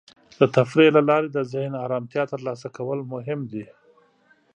د تفریح له لارې د ذهن ارامتیا ترلاسه کول مهم دی.